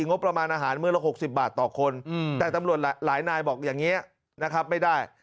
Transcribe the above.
งบประมาณอาหารมื้อละ๖๐บาทต่อคนแต่ตำรวจหลายนายบอกอย่างนี้นะครับไม่ได้